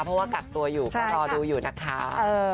เพราะว่ากักตัวอยู่ก็รอดูอยู่นะคะ